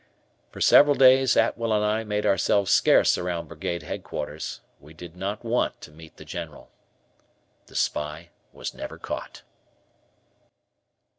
For several days, Atwell and I made ourselves scarce around Brigade Headquarters. We did not want to meet the General. The spy was never caught.